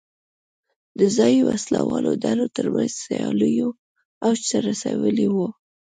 د ځايي وسله والو ډلو ترمنځ سیالیو اوج ته رسولې وه.